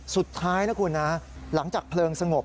สุดท้ายนะคุณนะหลังจากเพลิงสงบ